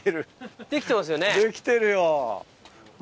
できてるよ。